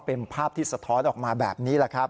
เป็นภาพที่สะท้อนออกมาแบบนี้